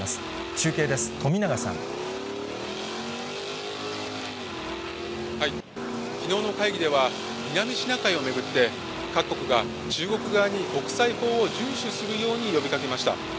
中継です、きのうの会議では、南シナ海を巡って、各国が中国側に国際法を順守するように呼びかけました。